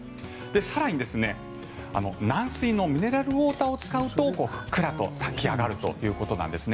更に、軟水のミネラルウォーターを使うとふっくらと炊き上がるということなんです。